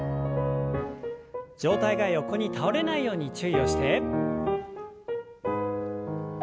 上体が横に倒れないように注意をして。